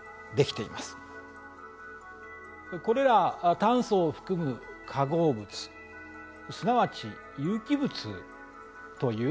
これらは炭素を含む化合物すなわち有機物という仲間なんですね。